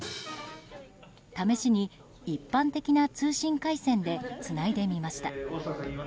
試しに、一般的な通信回線でつないでみました。